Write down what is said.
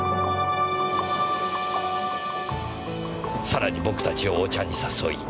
さらに僕たちをお茶に誘い。